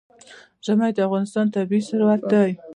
ژمی د افغانستان طبعي ثروت دی.